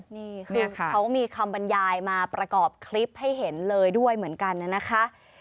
นี่คือเขามีคำบรรยายมาประกอบคลิปให้เห็นเลยด้วยเหมือนกันนะคะ